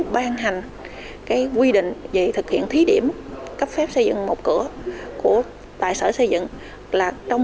sở ngành cái quy định về thực hiện thí điểm cấp phép xây dựng một cửa của tại sở xây dựng là trong